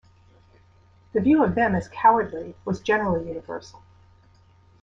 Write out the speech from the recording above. The view of them as cowardly was generally universal.